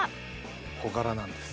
「小柄なんです」